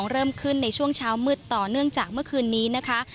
เริ่มขึ้นในช่วงเช้ามืดต่อเนื่องจากเมื่อคืนนี้นะคะ